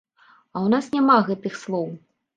А ў нас няма гэтых слоў.